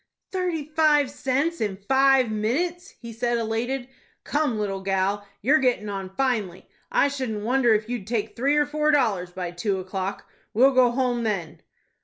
"Thirty five cents in five minutes," he said, elated. "Come, little gal, you're gettin' on finely. I shouldn't wonder if you'd take three or four dollars by two o'clock. We'll go home then."